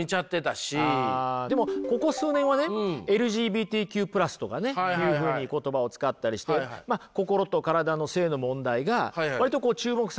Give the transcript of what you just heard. でもここ数年はねＬＧＢＴＱ＋とかねいうふうに言葉を使ったりして心と体の性の問題が割とこう注目されてますよね。